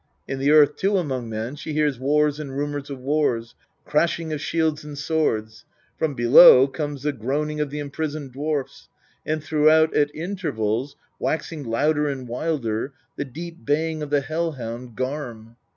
In the earth, too, among men, she hears wars and rumours of wars, crashing of shields and swords ; from below comes the groaning of the imprisoned dwarfs ; and throughout, at intervals, waxing louder and wilder, the deep baying of the Hel hound, Garm.